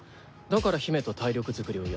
だから姫と体力づくりを。